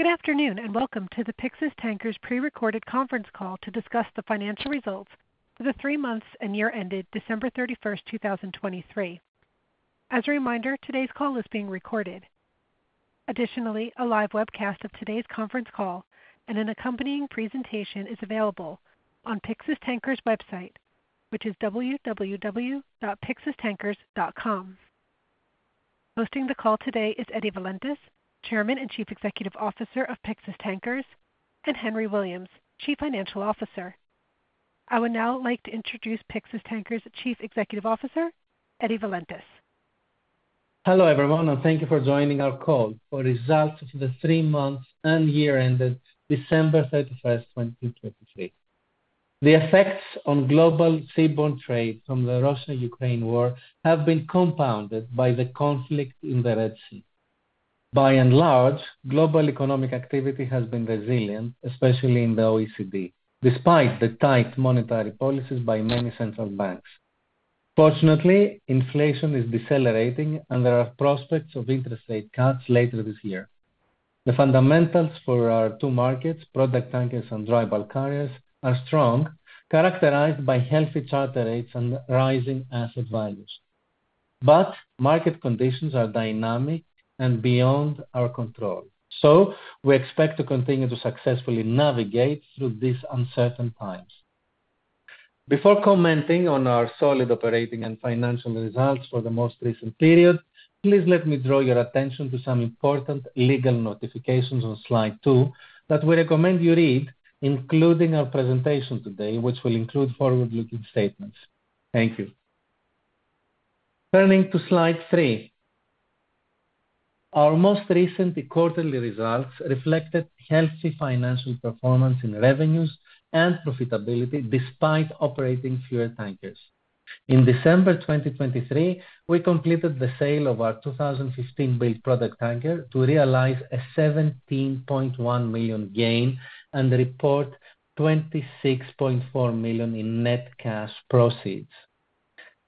Good afternoon, and welcome to the Pyxis Tankers Pre-Recorded conference call to discuss the financial results for the three months and year ended December 31, 2023. As a reminder, today's call is being recorded. Additionally, a live webcast of today's conference call and an accompanying presentation is available on Pyxis Tankers website, which is www.pyxistankers.com. Hosting the call today is Eddie Valentis, Chairman and Chief Executive Officer of Pyxis Tankers, and Henry Williams, Chief Financial Officer. I would now like to introduce Pyxis Tankers' Chief Executive Officer, Eddie Valentis. Hello, everyone, and thank you for joining our call for results of the three months and year ended December 31, 2023. The effects on global seaborne trade from the Russia-Ukraine war have been compounded by the conflict in the Red Sea. By and large, global economic activity has been resilient, especially in the OECD, despite the tight monetary policies by many central banks. Fortunately, inflation is decelerating and there are prospects of interest rate cuts later this year. The fundamentals for our two markets, product tankers and dry bulk carriers, are strong, characterized by healthy charter rates and rising asset values. But market conditions are dynamic and beyond our control, so we expect to continue to successfully navigate through these uncertain times. Before commenting on our solid operating and financial results for the most recent period, please let me draw your attention to some important legal notifications on slide two that we recommend you read, including our presentation today, which will include forward-looking statements. Thank you. Turning to slide three. Our most recent quarterly results reflected healthy financial performance in revenues and profitability despite operating fewer tankers. In December 2023, we completed the sale of our 2015-built product tanker to realize a $17.1 million gain and report $26.4 million in net cash proceeds.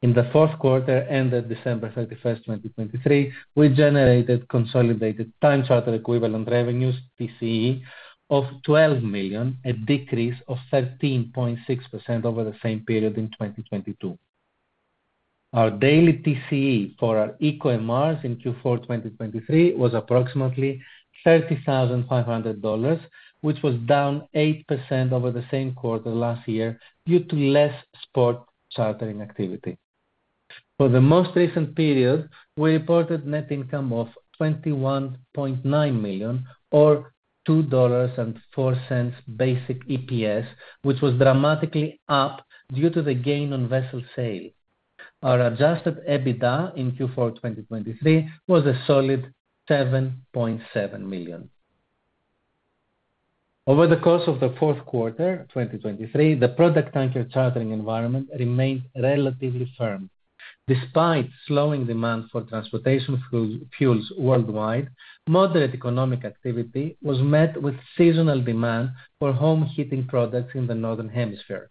In the fourth quarter, ended December 31, 2023, we generated consolidated time charter equivalent revenues, TCE, of $12 million, a decrease of 13.6% over the same period in 2022. Our daily TCE for our eco MRs in Q4 2023 was approximately $30,500, which was down 8% over the same quarter last year due to less spot chartering activity. For the most recent period, we reported net income of $21.9 million, or $2.04 basic EPS, which was dramatically up due to the gain on vessel sale. Our adjusted EBITDA in Q4 2023 was a solid $7.7 million. Over the course of the fourth quarter 2023, the product tanker chartering environment remained relatively firm. Despite slowing demand for transportation fuels worldwide, moderate economic activity was met with seasonal demand for home heating products in the Northern Hemisphere.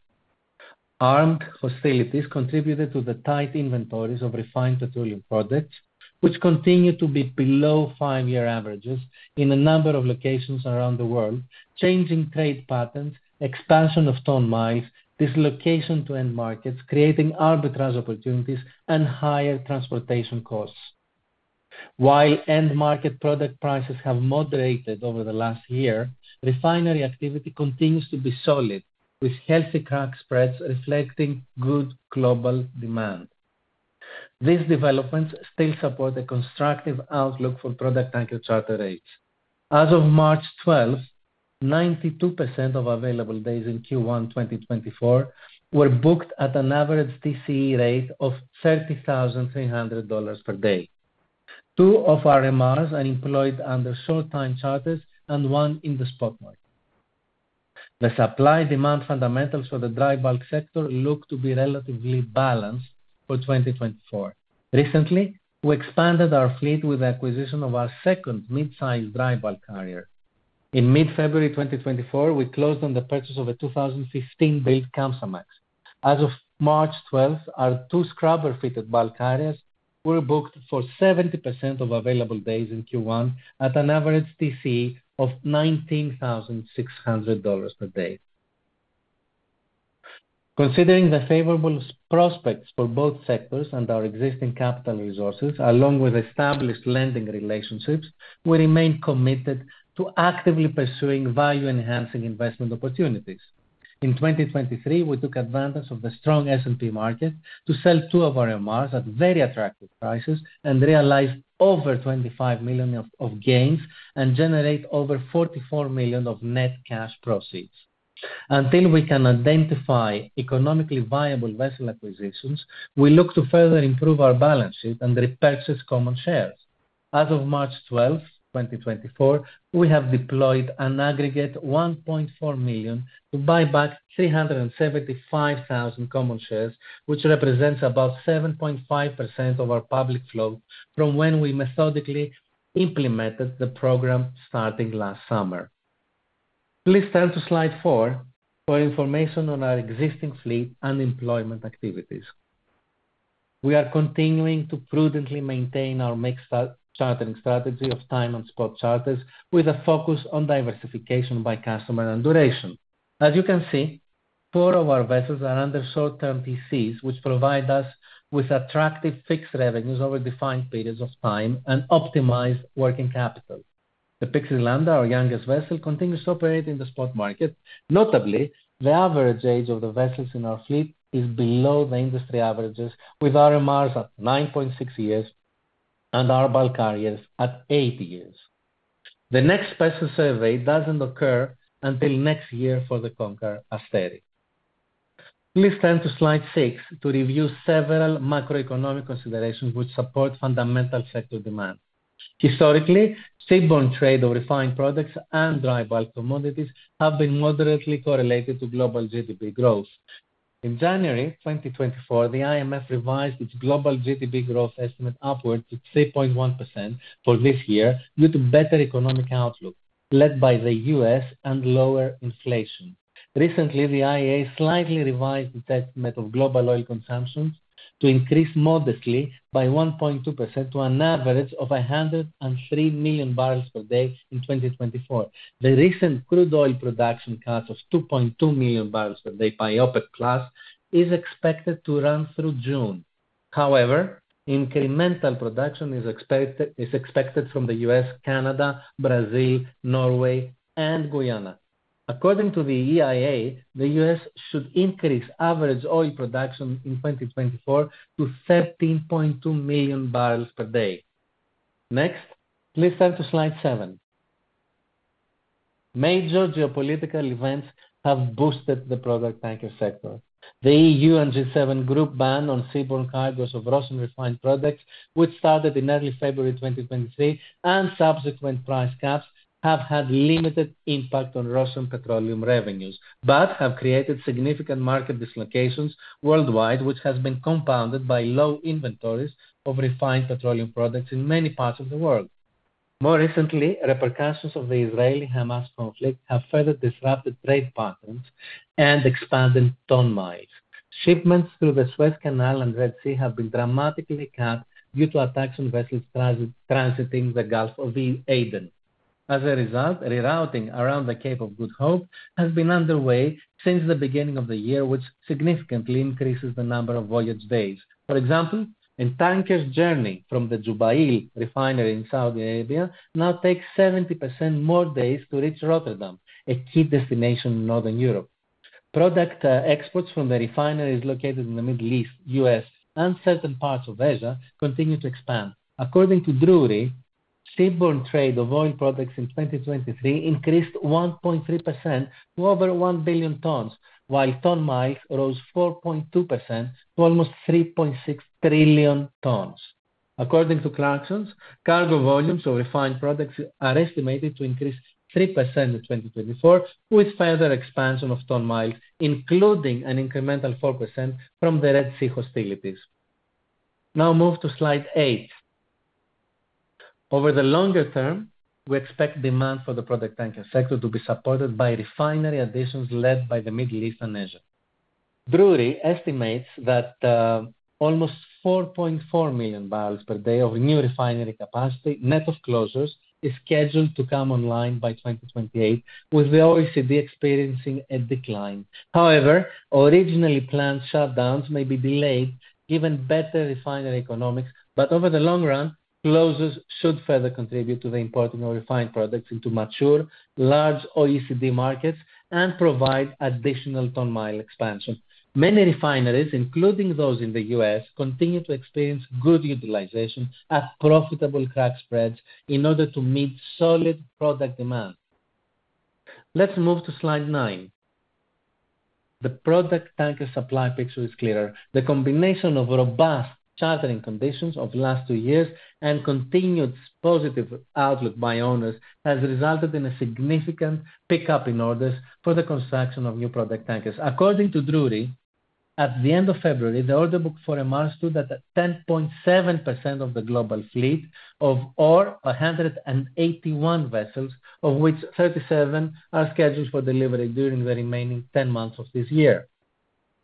Armed hostilities contributed to the tight inventories of refined petroleum products, which continue to be below five-year averages in a number of locations around the world, changing trade patterns, expansion of ton miles, dislocation to end markets, creating arbitrage opportunities and higher transportation costs. While end-market product prices have moderated over the last year, refinery activity continues to be solid, with healthy crack spreads reflecting good global demand. These developments still support a constructive outlook for product tanker charter rates. As of March twelfth, 92% of available days in Q1 2024 were booked at an average TCE rate of $30,300 per day. Two of our MRs are employed under short-time charters and one in the spot market. The supply-demand fundamentals for the dry bulk sector look to be relatively balanced for 2024. Recently, we expanded our fleet with the acquisition of our second mid-sized dry bulk carrier. In mid-February 2024, we closed on the purchase of a 2015-built Kamsarmax. As of March 12, our two scrubber-fitted bulk carriers were booked for 70% of available days in Q1 at an average TCE of $19,600 per day. Considering the favorable prospects for both sectors and our existing capital resources, along with established lending relationships, we remain committed to actively pursuing value-enhancing investment opportunities. In 2023, we took advantage of the strong S&P market to sell two of our MRs at very attractive prices and realize over $25 million of gains and generate over $44 million of net cash proceeds. Until we can identify economically viable vessel acquisitions, we look to further improve our balance sheet and repurchase common shares. As of March 12, 2024, we have deployed an aggregate $1.4 million to buy back 375,000 common shares, which represents about 7.5% of our public float from when we methodically implemented the program starting last summer. Please turn to slide four for information on our existing fleet and employment activities.... We are continuing to prudently maintain our mixed chartering strategy of time and spot charters, with a focus on diversification by customer and duration. As you can see, four of our vessels are under short-term TCs, which provide us with attractive fixed revenues over defined periods of time and optimize working capital. The Pyxis Lamda, our youngest vessel, continues to operate in the spot market. Notably, the average age of the vessels in our fleet is below the industry averages, with our MRs at 9.6 years and our bulk carriers at eight years. The next special survey doesn't occur until next year for the Konkar Asteri. Please turn to slide six to review several macroeconomic considerations which support fundamental sector demand. Historically, seaborne trade of refined products and dry bulk commodities have been moderately correlated to global GDP growth. In January 2024, the IMF revised its global GDP growth estimate upwards to 3.1% for this year, due to better economic outlook, led by the U.S. and lower inflation. Recently, the IEA slightly revised its estimate of global oil consumption to increase modestly by 1.2% to an average of 103 million barrels per day in 2024. The recent crude oil production cut of 2.2 million barrels per day by OPEC Plus is expected to run through June. However, incremental production is expected from the U.S., Canada, Brazil, Norway, and Guyana. According to the EIA, the U.S. should increase average oil production in 2024 to 13.2 million barrels per day. Next, please turn to slide 7. Major geopolitical events have boosted the product tanker sector. The EU and G7 group ban on seaborne cargoes of Russian refined products, which started in early February 2023, and subsequent price caps, have had limited impact on Russian petroleum revenues, but have created significant market dislocations worldwide, which has been compounded by low inventories of refined petroleum products in many parts of the world. More recently, repercussions of the Israeli-Hamas conflict have further disrupted trade patterns and expanded ton miles. Shipments through the Suez Canal and Red Sea have been dramatically cut due to attacks on vessels transiting the Gulf of Aden. As a result, rerouting around the Cape of Good Hope has been underway since the beginning of the year, which significantly increases the number of voyage days. For example, a tanker's journey from the Jubail refinery in Saudi Arabia now takes 70% more days to reach Rotterdam, a key destination in Northern Europe. Product exports from the refineries located in the Middle East, U.S., and certain parts of Asia continue to expand. According to Drewry, seaborne trade of oil products in 2023 increased 1.3% to over 1 billion tons, while ton miles rose 4.2% to almost 3.6 trillion tons. According to Clarksons, cargo volumes of refined products are estimated to increase 3% in 2024, with further expansion of ton miles, including an incremental 4% from the Red Sea hostilities. Now move to slide eight. Over the longer term, we expect demand for the product tanker sector to be supported by refinery additions led by the Middle East and Asia. Drewry estimates that almost 4.4 million barrels per day of new refinery capacity, net of closures, is scheduled to come online by 2028, with the OECD experiencing a decline. However, originally planned shutdowns may be delayed, given better refinery economics, but over the long run, closures should further contribute to the import of more refined products into mature, large OECD markets and provide additional ton mile expansion. Many refineries, including those in the U.S., continue to experience good utilization at profitable crack spreads in order to meet solid product demand. Let's move to slide nine. The product tanker supply picture is clearer. The combination of robust chartering conditions of the last two years and continued positive outlook by owners, has resulted in a significant pickup in orders for the construction of new product tankers. According to Drewry, at the end of February, the order book for MRs stood at 10.7% of the global fleet of, or 181 vessels, of which 37 are scheduled for delivery during the remaining 10 months of this year.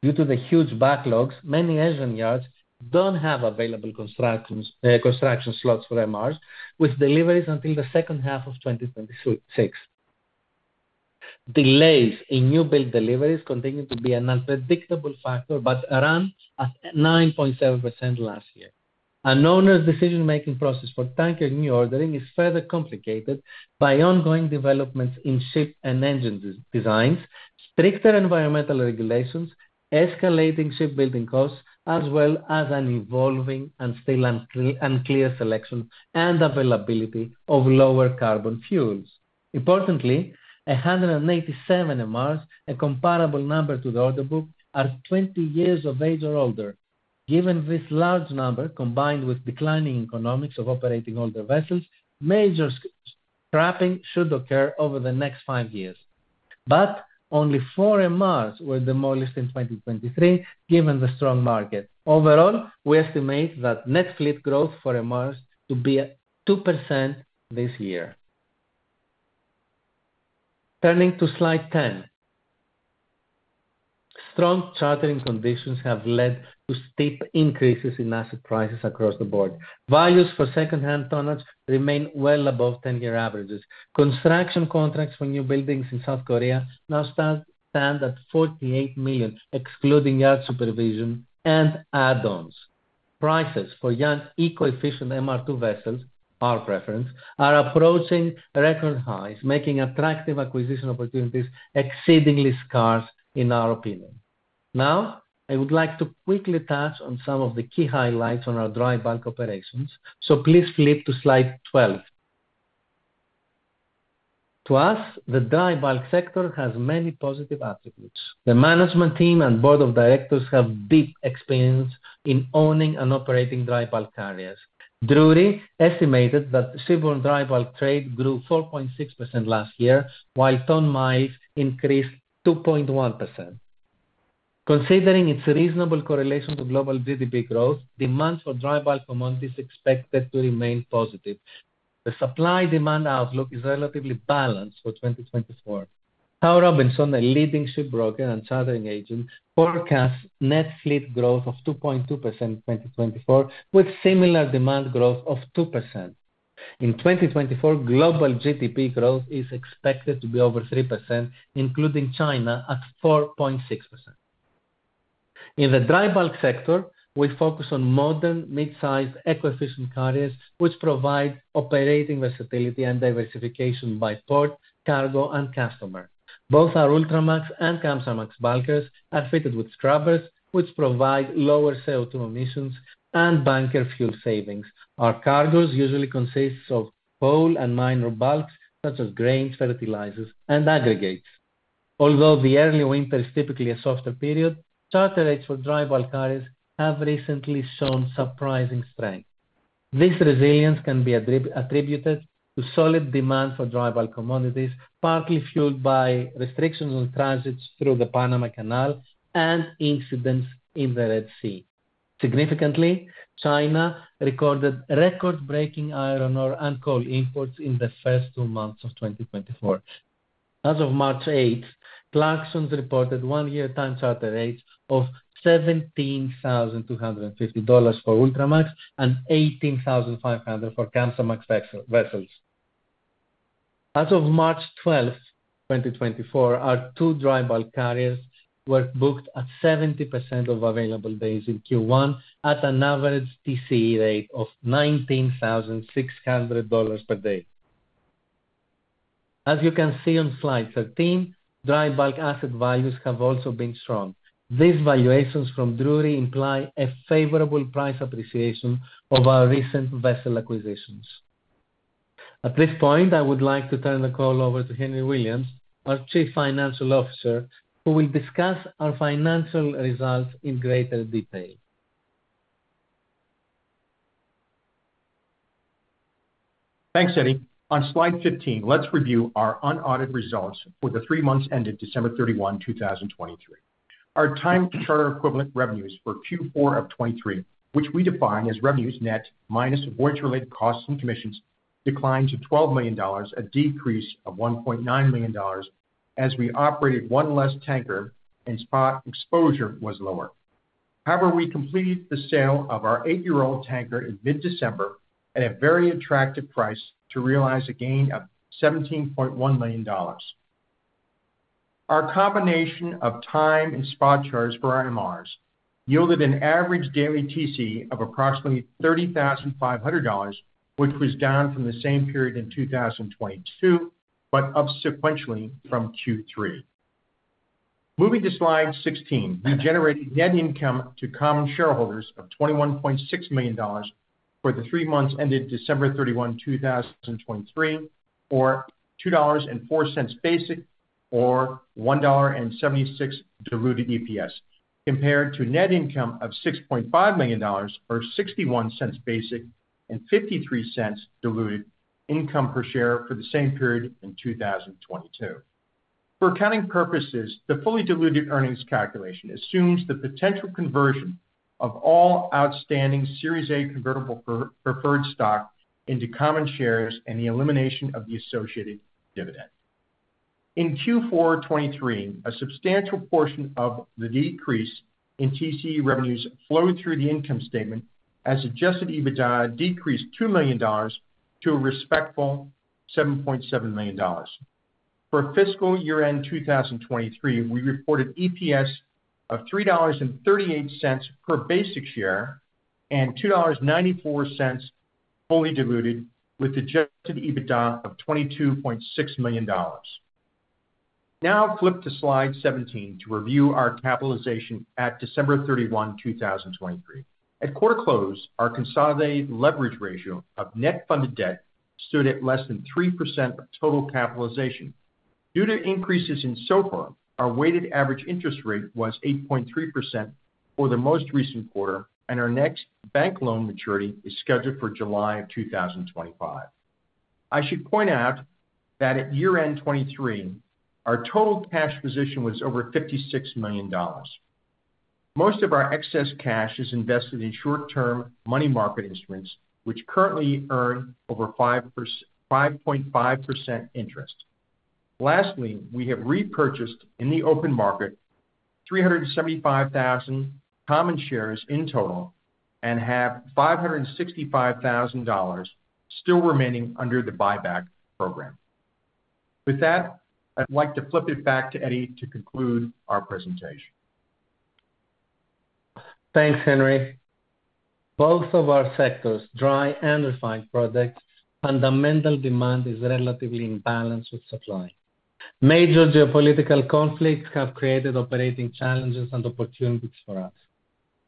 Due to the huge backlogs, many Asian yards don't have available constructions, construction slots for MRs, with deliveries until the second half of 2026. Delays in new build deliveries continue to be an unpredictable factor, but around at 9.7% last year. An owner's decision-making process for tanker new ordering is further complicated by ongoing developments in ship and engine designs, stricter environmental regulations, escalating shipbuilding costs, as well as an evolving and still unclear selection and availability of lower carbon fuels. Importantly, 187 MRs, a comparable number to the order book, are 20 years of age or older. Given this large number, combined with declining economics of operating older vessels, major scrapping should occur over the next five years. But only four MRs were demolished in 2023, given the strong market. Overall, we estimate that net fleet growth for MRs to be at 2% this year.... Turning to Slide 10. Strong chartering conditions have led to steep increases in asset prices across the board. Values for secondhand tonnage remain well above ten-year averages. Construction contracts for new buildings in South Korea now stand at $48 million, excluding yard supervision and add-ons. Prices for young, eco-efficient MR2 vessels, our preference, are approaching record highs, making attractive acquisition opportunities exceedingly scarce, in our opinion. Now, I would like to quickly touch on some of the key highlights on our dry bulk operations. So please flip to slide 12. To us, the dry bulk sector has many positive attributes. The management team and board of directors have deep experience in owning and operating dry bulk carriers. Drewry estimated that seaborne dry bulk trade grew 4.6% last year, while ton miles increased 2.1%. Considering its reasonable correlation to global GDP growth, demand for dry bulk amount is expected to remain positive. The supply-demand outlook is relatively balanced for 2024. Howe Robinson, a leading shipbroker and chartering agent, forecasts net fleet growth of 2.2% in 2024, with similar demand growth of 2%. In 2024, global GDP growth is expected to be over 3%, including China at 4.6%. In the dry bulk sector, we focus on modern, mid-sized, eco-efficient carriers, which provide operating versatility and diversification by port, cargo, and customer. Both our Ultramax and Kamsarmax bulkers are fitted with scrubbers, which provide lower CO2 emissions and bunker fuel savings. Our cargoes usually consists of coal and minor bulks, such as grains, fertilizers, and aggregates. Although the early winter is typically a softer period, charter rates for dry bulk carriers have recently shown surprising strength. This resilience can be attributed to solid demand for dry bulk commodities, partly fueled by restrictions on transits through the Panama Canal and incidents in the Red Sea. Significantly, China recorded record-breaking iron ore and coal imports in the first two months of 2024. As of March 8, Clarksons reported one-year time charter rates of $17,250 for Ultramax and $18,500 for Kamsarmax vessels. As of March 12, 2024, our two dry bulk carriers were booked at 70% of available days in Q1 at an average TCE rate of $19,600 per day. As you can see on slide 13, dry bulk asset values have also been strong. These valuations from Drewry imply a favorable price appreciation of our recent vessel acquisitions. At this point, I would like to turn the call over to Henry Williams, our Chief Financial Officer, who will discuss our financial results in greater detail. Thanks, Eddie. On slide 15, let's review our unaudited results for the three months ended December 31, 2023. Our time charter equivalent revenues for Q4 of 2023, which we define as revenues net minus voyage-related costs and commissions, declined to $12 million, a decrease of $1.9 million, as we operated one less tanker and spot exposure was lower. However, we completed the sale of our eight-year-old tanker in mid-December at a very attractive price to realize a gain of $17.1 million. Our combination of time and spot charters for our MRs yielded an average daily TCE of approximately $30,500, which was down from the same period in 2022, but up sequentially from Q3. Moving to slide 16, we generated net income to common shareholders of $21.6 million for the three months ended December 31, 2023, or $2.04 basic, or $1.76 diluted EPS, compared to net income of $6.5 million, or $0.61 basic and $0.53 diluted income per share for the same period in 2022. For accounting purposes, the fully diluted earnings calculation assumes the potential conversion of all outstanding Series A convertible preferred stock into common shares and the elimination of the associated dividend. In Q4 2023, a substantial portion of the decrease in TCE revenues flowed through the income statement, as Adjusted EBITDA decreased $2 million to a respectable $7.7 million. For fiscal year-end 2023, we reported EPS of $3.38 per basic share, and $2.94 fully diluted, with Adjusted EBITDA of $22.6 million. Now flip to slide 17 to review our capitalization at December 31, 2023. At quarter close, our consolidated leverage ratio of net funded debt stood at less than 3% of total capitalization. Due to increases in SOFR, our weighted average interest rate was 8.3% for the most recent quarter, and our next bank loan maturity is scheduled for July 2025. I should point out that at year-end 2023, our total cash position was over $56 million. Most of our excess cash is invested in short-term money market instruments, which currently earn over 5.5% interest. Lastly, we have repurchased, in the open market, 375,000 common shares in total and have $565,000 still remaining under the buyback program. With that, I'd like to flip it back to Eddie to conclude our presentation. Thanks, Henry. Both of our sectors, dry and refined products, fundamental demand is relatively in balance with supply. Major geopolitical conflicts have created operating challenges and opportunities for us.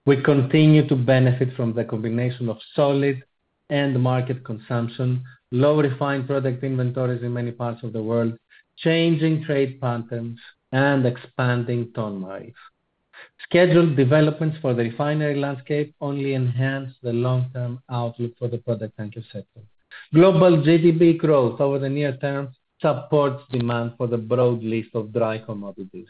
We continue to benefit from the combination of solid end market consumption, low refined product inventories in many parts of the world, changing trade patterns, and expanding ton miles. Scheduled developments for the refinery landscape only enhance the long-term outlook for the product tanker sector. Global GDP growth over the near term supports demand for the broad list of dry commodities.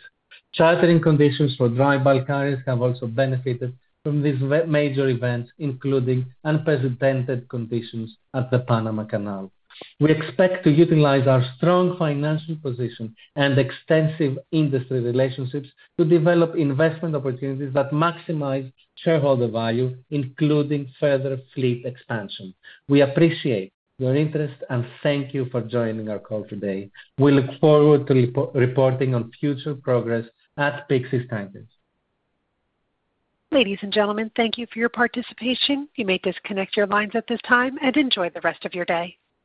Chartering conditions for dry bulk carriers have also benefited from these major events, including unprecedented conditions at the Panama Canal. We expect to utilize our strong financial position and extensive industry relationships to develop investment opportunities that maximize shareholder value, including further fleet expansion. We appreciate your interest, and thank you for joining our call today. We look forward to reporting on future progress at Pyxis Tankers. Ladies and gentlemen, thank you for your participation. You may disconnect your lines at this time and enjoy the rest of your day.